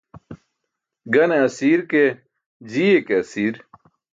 Gane asi̇r ke, ji̇iye ke asi̇r.